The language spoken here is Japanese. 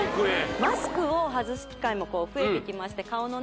マスクを外す機会も増えてきまして顔のね